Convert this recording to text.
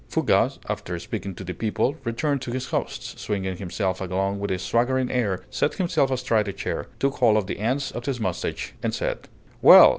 Fougas, after speaking to the people, returned to his hosts, swinging himself along with a swaggering air, set himself astride a chair, took hold of the ends of his mustache, and said: "Well!